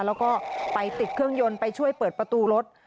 แล้วก็ไปติดเครื่องยนต์ไปช่วยเปิดประตูรถ